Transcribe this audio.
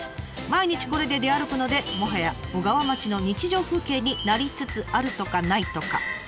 毎日これで出歩くのでもはや小川町の日常風景になりつつあるとかないとか。